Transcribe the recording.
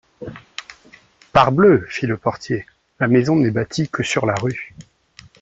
Parbleu! fit le portier, la maison n’est bâtie que sur la rue.